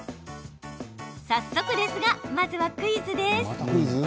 早速ですが、まずはクイズです。